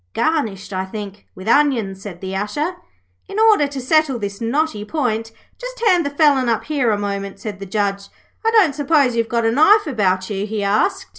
'Garnished, I think, with onions,' said the Usher. 'In order to settle this knotty point, just hand the felon up here a moment,' said the Judge. 'I don't suppose you've got a knife about you?' he asked.